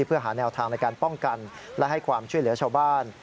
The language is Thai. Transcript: เพื่อหาแนวทางในการป้องกันและให้ความช่วยเหลือชาวบ้าน